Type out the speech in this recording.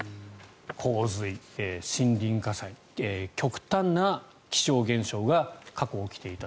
洪水、森林火災極端な気象現象が過去、起きていた。